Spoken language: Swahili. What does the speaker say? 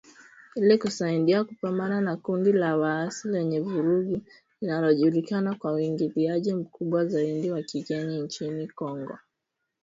ili kusaidia kupambana na kundi la waasi lenye vurugu linalojulikana kwa uingiliaji mkubwa zaidi wa kigeni nchini Kongo